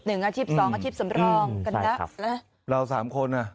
หนึ่งอาชีพสองอาชีพสำรองกันแล้วใช่ครับแล้วเราสามคนอ่ะ